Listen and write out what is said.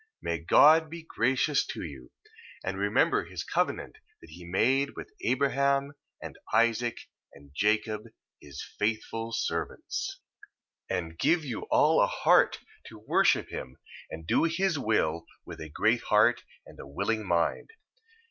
1:2. May God be gracious to you, and remember his covenant that he made with Abraham, and Isaac, and Jacob, his faithful servants: 1:3. And give you all a heart to worship him, and to do his will with a great heart, and a willing mind.